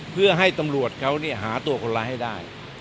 เพื่อให้ตำรวจเขาหาตัวคนร้ายให้ได้